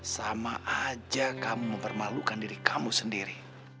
sama aja kamu mempermalukan diri kamu sendiri